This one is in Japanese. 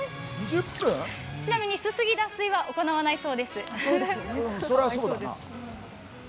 ちなみにすすぎ、脱水は行わないそうです。